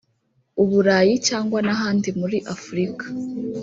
u Burayi cyangwa n’ahandi muri Afurika